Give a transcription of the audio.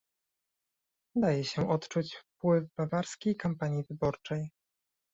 Daje się odczuć wpływ bawarskiej kampanii wyborczej